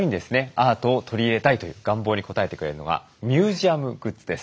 アートを取り入れたいという願望に応えてくるのがミュージアムグッズです。